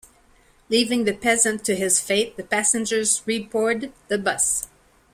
Leaving the peasant to his fate, the passengers reboard the bus.